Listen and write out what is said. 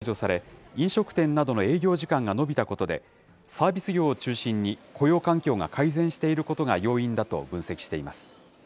内閣府は、まん延防止等重点措置が解除され、飲食店などの営業時間が延びたことで、サービス業を中心に雇用環境が改善していることが要因だと分析しています。